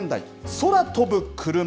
空飛ぶクルマ。